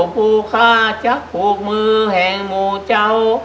ผู้ฆ่าจักรผูกมือแห่งหมู่เจ้า